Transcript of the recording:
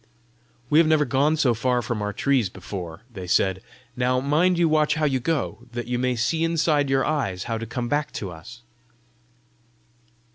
"We have never gone so far from our trees before," they said. "Now mind you watch how you go, that you may see inside your eyes how to come back to us."